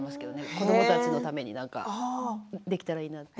子どもたちのために何かできたらいいなって。